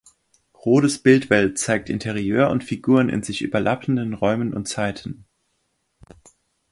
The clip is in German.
Rodes Bildwelt zeigt Interieur und Figuren in sich überlappenden Räumen und Zeiten.